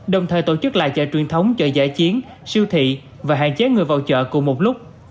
đồng thời tổ chức lại chợ truyền thống chợ giải chiến siêu thị và hạn chế người vào chợ cùng một lúc